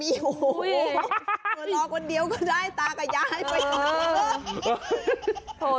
โอ้โหตัวลองคนเดียวก็ได้ตากับยายไป